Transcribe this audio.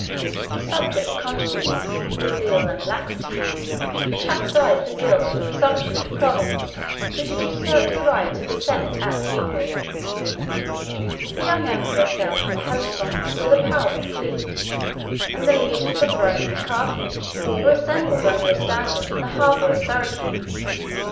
His subjects contributed, with zeal and alacrity, to chastise the guilt and presumption of a province which had usurped the rights of the senate and people; the young emperor sailed from the Hellespont with a powerful fleet; and the legions of Rome and Carthage were assembled under his standard in the harbor of Syracuse.